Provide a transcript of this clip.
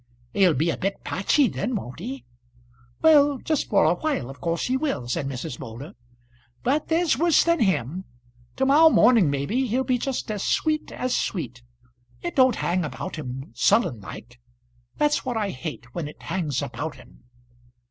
"He'll be a bit patchy then, won't he?" "Well, just for a while of course he will," said Mrs. Moulder. "But there's worse than him. To morrow morning, maybe, he'll be just as sweet as sweet. It don't hang about him, sullen like. That's what I hate, when it hangs about 'em."